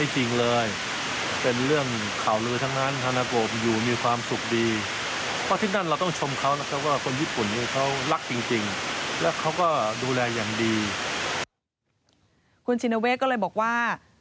คุณชินเวศก็เลยบอกว่า